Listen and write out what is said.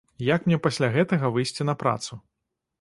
Як мне пасля гэтага выйсці на працу?